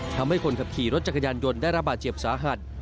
ทำให้คนขับขี่รถจักรยานยนต์ได้ระบาดเจ็บสาหัส